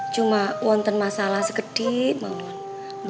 cuma masalahnya sebesar itu